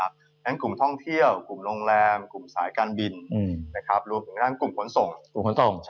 ทั้งท่องเที่ยวโรงแรมกลุ่มสายการบินถึงทวกหัวงีขนส่ง